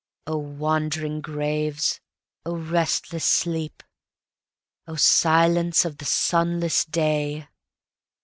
O wandering graves! O restless sleep!O silence of the sunless day!